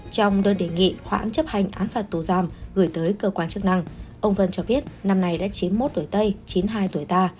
trong đơn đề nghị hoãn chấp hành án phạt tù giam gửi tới cơ quan chức năng ông vân cho biết năm nay đã chín mươi một tuổi tây chín mươi hai tuổi ta